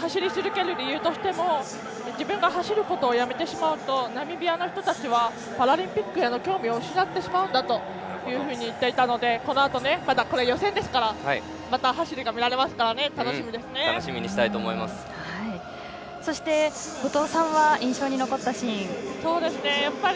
走り続ける理由としても自分が走ることをやめてしまうとナミビアの人たちはパラリンピックへの興味を失ってしまうんだと言っていたのでこのあと、まだ予選ですからまた走りが見られますからそして、後藤さんの印象に残ったシーンは。